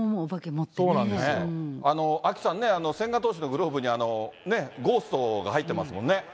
そうなんですよ、アキさんね、千賀投手のグローブにゴーストが入ってますもんね。